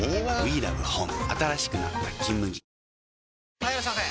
・はいいらっしゃいませ！